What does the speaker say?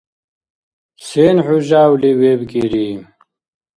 Сен хӀу жявли вебкӀири?